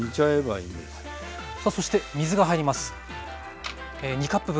さあそして水が入ります。